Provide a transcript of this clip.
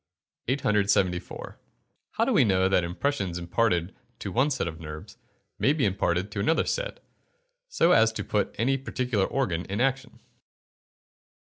874. _How do we know that impressions imparted to one set of nerves, may be imparted to another set, so as to put any particular organ in action.